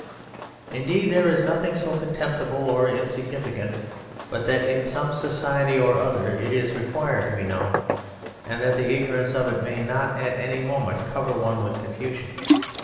Indeed, there is nothing so contemptible or insignificant but that in some society or other it is required to be known, and that the ignorance of it may not at any moment cover one with confusion.